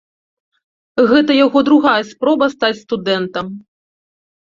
Гэта яго другая спроба стаць студэнтам.